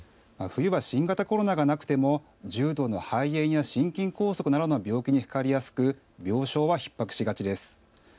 冬は新型コロナがなくても重度の肺炎や心筋梗塞などの病気にかかりやすく病床はひっ迫しがちです。